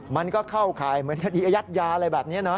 มันก็เข้าคลายยัดยาอะไรแบบนี้นะ